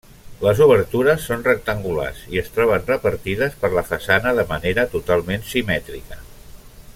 Les obertures són rectangulars i es troben repartides per la façana de manera totalment simètrica.